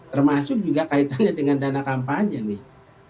termasuk juga kaitannya dengan dana kampanye nih